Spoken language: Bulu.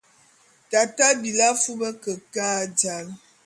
Tate a bilí afub kekâ e jāl.